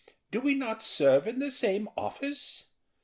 Do not we serve in the same office?